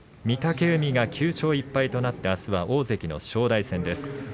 御嶽海が９勝１敗となってあすは大関の正代戦です。